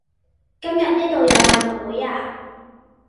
今日呢道有賣物會呀